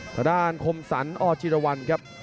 ทางด้านคมสรรอจิรวรรณครับ